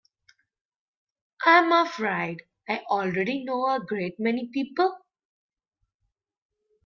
I'm afraid I already know a great many people.